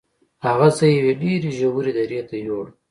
هغه زه یوې ډیرې ژورې درې ته یووړم.